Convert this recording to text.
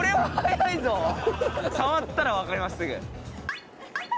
触ったらわかりますすぐ。